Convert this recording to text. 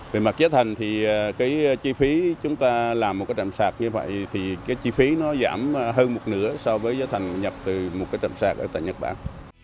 về mặt giá thành thì cái chi phí chúng ta làm một cái chạm sạc như vậy thì cái chi phí nó giảm hơn một nửa so với giá thành nhập từ một cái chạm sạc ở tại nhật bản